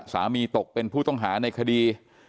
ตกเป็นผู้ต้องหาในคดี